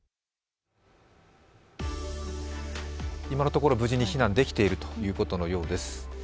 今のところ無事に避難できていることのようです。